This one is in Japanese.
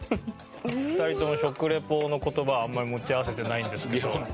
２人とも食リポの言葉はあんまり持ち合わせてないんですけど。